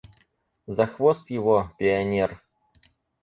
За хвост его, – пионер!